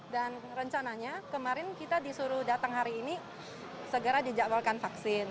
dan rencananya kemarin kita disuruh datang hari ini segera dijabalkan vaksin